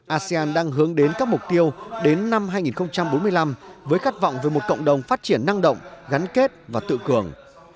asean đang hướng đến các mục tiêu đến năm hai nghìn bốn mươi năm với khát vọng về một cộng đồng phát triển năng động gắn kết và tự cường